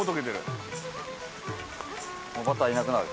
バターいなくなる。